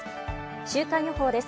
週間予報です。